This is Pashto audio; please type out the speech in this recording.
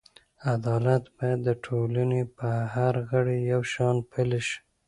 عدالت باید د ټولنې په هر غړي یو شان پلی شي.